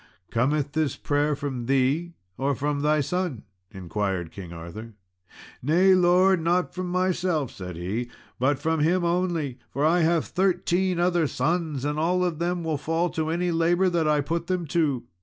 "Cometh this prayer from thee or from thy son?" inquired King Arthur. "Nay, lord, not from myself," said he, "but from him only, for I have thirteen other sons, and all of them will fall to any labour that I put them to.